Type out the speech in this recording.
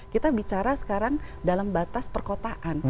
kita bicara sekarang dalam batas perkotaan